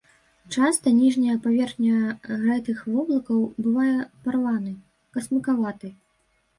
Часта ніжняя паверхня гэтых воблакаў бывае парванай, касмыкаватай.